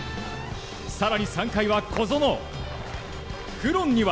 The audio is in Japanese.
さらに３回は小園。